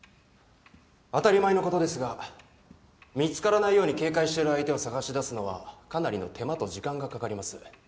当たり前のことですが見つからないように警戒している相手を捜し出すのはかなりの手間と時間がかかります。